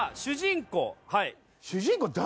主人公誰？